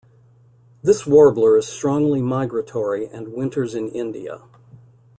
This warbler is strongly migratory and winters in India.